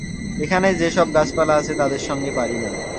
এখানে যে-সব গাছপালা আছে, তাদের সঙ্গে পারি না।